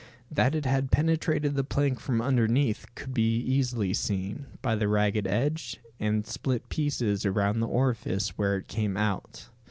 That it had penetrated the plank from underneath could be easily seen, by the ragged edge, and split pieces around the orifice where it came out.